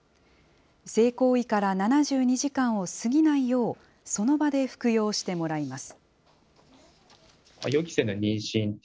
性行為から７２時間を過ぎないよう、その場で服用してもらいます。